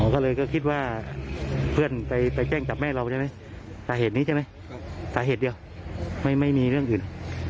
ก็เลยก็คิดว่าเพื่อนไปแจ้งจับแม่เราใช่ไหมสาเหตุนี้ใช่ไหมสาเหตุเดียวไม่มีเรื่องอื่น